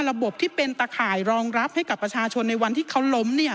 ระบบที่เป็นตะข่ายรองรับให้กับประชาชนในวันที่เขาล้มเนี่ย